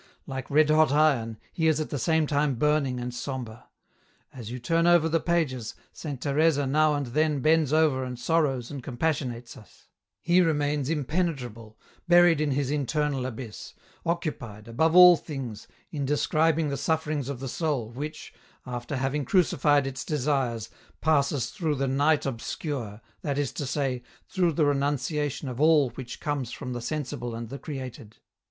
Like red hot iron, he is at the same time burning and sombre. As vou turn over the pages, Saint Teresa now and then bends over and sorrows and compassionates us ; he remains impenetrable, buried in his internal abyss, occupied, above all things, ia 72 EN ROUTE. describing the sufferings of the soul which, after having crucified its desires, passes through the ' Night obscure,' that is to say, through the renunciation of all which comes from the sensible and the created.